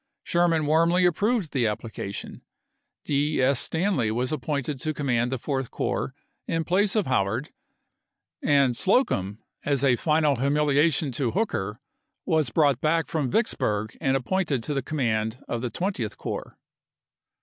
Sherman warmly approved the application ; D. S. Stanley was ap pointed to command the Fourth Corps in place of Howard, and Slocum, as a final humiliation to Hooker, was brought back from Vicksburg and ap pointed to the command of the Twentieth Corps.